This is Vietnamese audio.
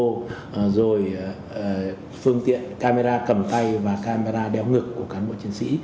ô rồi phương tiện camera cầm tay và camera đeo ngực của cán bộ chiến sĩ